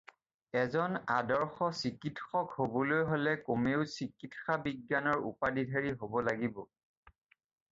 এজন আদৰ্শ চিকিৎসক হ'বলৈ হ'লে কমেও চিকিৎসা বিজ্ঞানৰ উপাধিধাৰী হ'ব লাগিব।